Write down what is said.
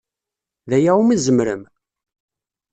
D aya umi tzemrem?